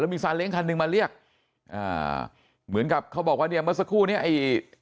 มีซาเล้งคันหนึ่งมาเรียกอ่าเหมือนกับเขาบอกว่าเนี่ยเมื่อสักครู่เนี้ยไอ้